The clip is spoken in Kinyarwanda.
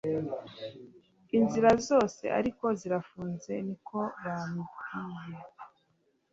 Inzira Zose Ariko zirafunze niko babwiye